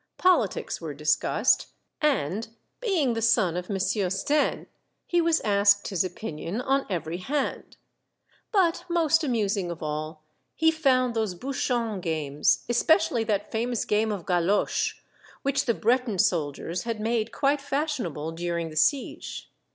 Politics were discussed, and, being the son of Monsieur Stenne, he was asked his opinion on every hand. But most amusing of all he found The Boy Spy. 25 those bouchon ^ games, especially that famous game of galoche, which the Breton soldiers had made quite fashionable during the siege.